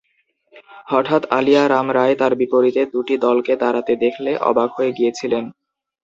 হঠাৎ আলিয়া রাম রায় তার বিপরীতে দুটি দলকে দাঁড়াতে দেখলে অবাক হয়ে গিয়েছিলেন।